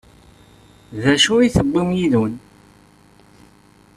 D acu i d-tewwim yid-wen?